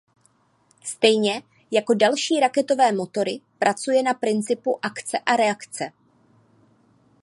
Stejně jako další raketové motory pracuje na principu akce a reakce.